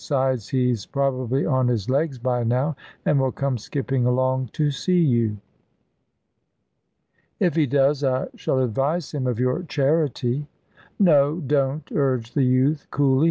'Sides, he's probably on his legs by now, and will come skipping along to see you." "If he does I shall advise him of your charity." "No, don't," urged the youth, coolly.